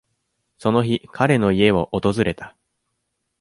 その日、彼の家を訪れた。